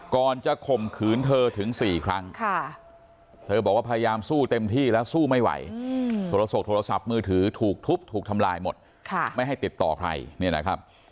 ก่อนจะข่มขืนเธอถึง๔ครั้งเธอบอกว่าพยายามสู้เต็มที่แล้วสู้ไม่ไหวโทรศกโทรศัพท์มือถือถูกทุบถูกทำลายหมดไม่ให้ติดต่อใครเนี่ยนะครับ